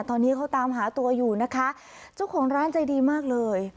ตอนนี้เขาตามหาตัวอยู่นะคะเจ้าของร้านใจดีมากเลย